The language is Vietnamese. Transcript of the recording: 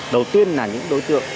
đầu tiên là những đối tượng